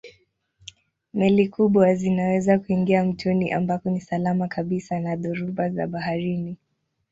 Meli kubwa zinaweza kuingia mtoni ambako ni salama kabisa na dhoruba za baharini.